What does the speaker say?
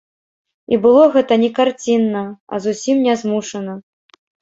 І было гэта не карцінна, а зусім нязмушана.